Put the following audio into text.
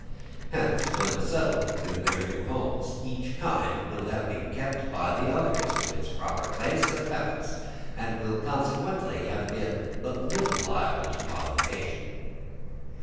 Hence, when settled in their new homes, each kind will have been kept by the others to its proper place and habits, and will consequently have been but little liable to modification.